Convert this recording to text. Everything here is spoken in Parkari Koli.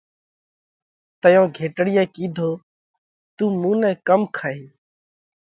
تئيون گھيٽڙيئہ ڪِيڌو: تُون مُون نئہ ڪم کائِيه؟